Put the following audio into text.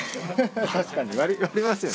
確かに割りますよね。